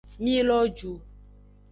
Mi lo ju.